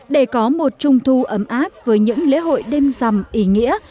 để có một trung thu ấm áp với những lễ hội đêm rằm ý nghĩa